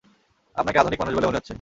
আপনাকে আধুনিক মানুষ বলে মনে হচ্ছে।